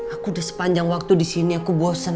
aku udah sepanjang waktu disini aku bosen